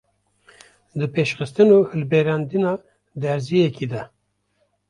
di pêşxistin û hilberandina derziyekê de.